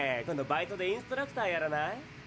今度バイトでインストラクターやらない？